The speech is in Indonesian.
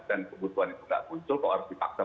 dan kebutuhan itu tidak muncul kok harus dipaksa